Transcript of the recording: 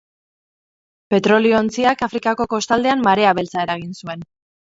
Petrolio-ontziak Afrikako kostaldean marea beltza eragin zuen.